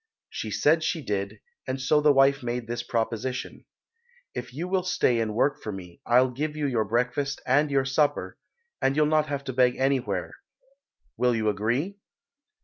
She said she did, and so the wife made this proposition, "If you will stay and work for me I'll give you your breakfast and your supper, and you'll not have to beg anywhere; will you agree?"